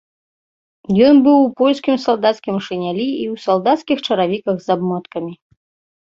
Ён быў у польскім салдацкім шынялі і ў салдацкіх чаравіках з абмоткамі.